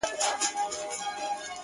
لکه لېوه یې نه ګورې چاته-